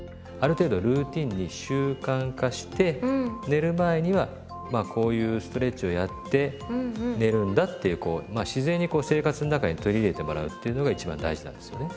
寝る前にはこういうストレッチをやって寝るんだっていう自然にこう生活の中に取り入れてもらうっていうのが一番大事なんですよね。